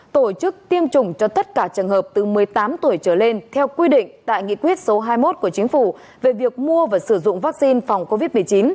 tổ chức tiêm chủng cho tất cả trường hợp từ một mươi tám tuổi trở lên theo quy định tại nghị quyết số hai mươi một của chính phủ về việc mua và sử dụng vaccine phòng covid một mươi chín